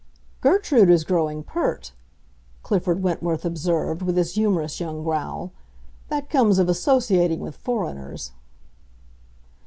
"Gertrude is growing pert," Clifford Wentworth observed, with his humorous young growl. "That comes of associating with foreigners."